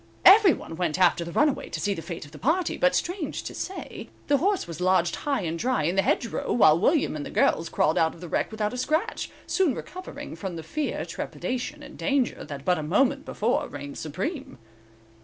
Every one went after the runaway to see the fate of the party; but strange to say, the horse was lodged high and dry in the hedge row, while William and the girls crawled out of the wreck without a scratch, soon recovering from the fear, trepidation and danger that but a moment before reigned supreme.